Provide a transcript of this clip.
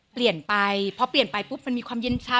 เปลี่ยนไปพอเปลี่ยนไปปุ๊บมันมีความเย็นช้า